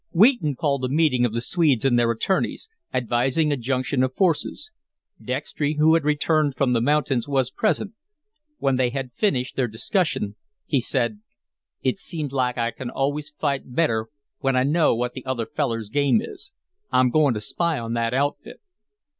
Wheaton called a meeting of the Swedes and their attorneys, advising a junction of forces. Dextry, who had returned from the mountains, was present. When they had finished their discussion, he said: "It seems like I can always fight better when I know what the other feller's game is. I'm going to spy on that outfit."